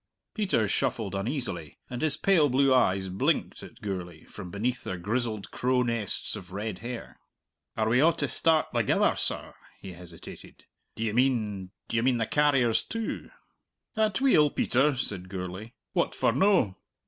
Peter shuffled uneasily, and his pale blue eyes blinked at Gourlay from beneath their grizzled crow nests of red hair. "Are we a' to start thegither, sir?" he hesitated. "D'ye mean d'ye mean the carriers too?" "Atweel, Peter!" said Gourlay. "What for no?"